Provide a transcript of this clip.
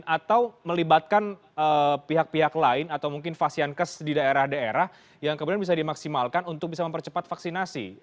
atau melibatkan pihak pihak lain atau mungkin fasiankes di daerah daerah yang kemudian bisa dimaksimalkan untuk bisa mempercepat vaksinasi